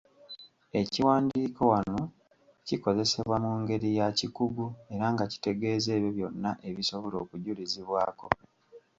Ekiwandiiko wano kikozesebwa mu ngeri ya kikugu era nga kitegeeza ebyo byonna ebisobola okujulizibwako.